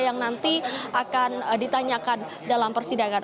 yang ditanyakan dalam persidangan